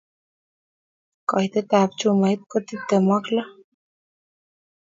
Koitet ab chumait ko tiptem ak loo